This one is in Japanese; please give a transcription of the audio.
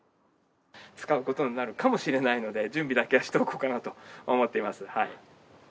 使うことになるかもしれないので、準備だけはしていこうかなと思っています。